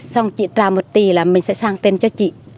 xong chị trao một tí là mình sẽ sang tên cho chị